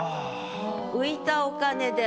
「浮いたお金で」